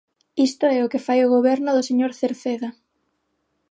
Isto é o que fai o Goberno do señor Cerceda.